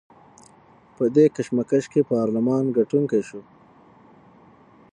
په دې کشمکش کې پارلمان ګټونکی شو.